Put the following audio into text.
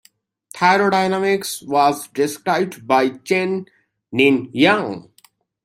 Thermodynamics was described by Chen Nin Yang.